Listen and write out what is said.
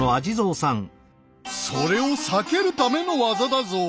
それを避けるためのワザだゾウ！